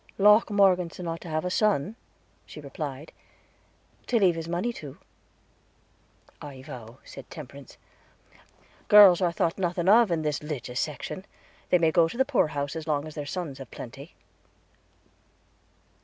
"Locke Morgeson ought to have a son," she replied, "to leave his money to." "I vow," answered Temperance, "girls are thought nothing of in this 'ligous section; they may go to the poor house, as long as the sons have plenty."